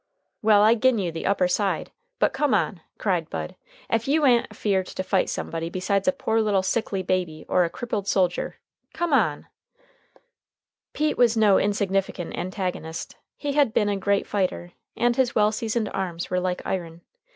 "Well, I'll gin you the upper side, but come on," cried Bud, "ef you a'n't afeared to fight somebody besides a poor little sickly baby or a crippled soldier. Come on!" [Illustration: Bud Means comes to the rescue of Shocky.] Pete was no insignificant antagonist. He had been a great fighter, and his well seasoned arms were like iron.